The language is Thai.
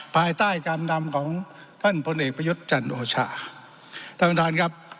ภายใต้การนำของท่านพลเอกประยุทธ์จันโอชาท่านประธานครับ